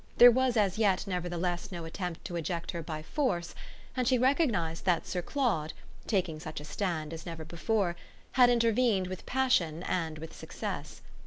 There was as yet nevertheless no attempt to eject her by force, and she recognised that Sir Claude, taking such a stand as never before, had intervened with passion and with success.